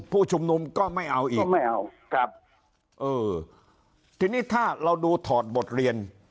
ผู้ชุมนุมก็ไม่เอาอีกไม่เอาครับเออทีนี้ถ้าเราดูถอดบทเรียน